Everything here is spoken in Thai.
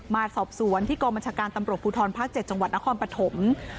มาสอบสวนที่กองบัญชาการตำรวจภูทรภาค๗จังหวัดนครปฐม